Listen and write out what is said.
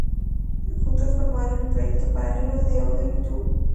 Juntos formaron el proyecto paralelo The Other Two.